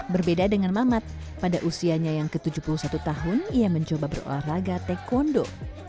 berbeda dengan mamat pada usianya yang ke tujuh puluh satu tahun ia mencoba berolahraga taekwondo